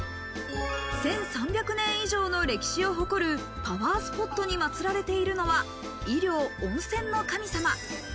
１３００年以上の歴史を誇るパワースポットにまつられているのは、医療、温泉の神様。